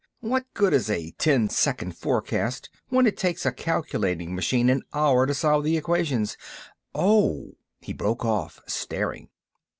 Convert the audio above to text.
What good is a ten second forecast when it takes a calculating machine an hour to solve the equations.... Oh!" He broke off, staring.